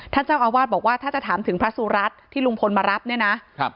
ท่านเจ้าอาวาสบอกว่าถ้าจะถามถึงพระสุรัตน์ที่ลุงพลมารับเนี่ยนะครับ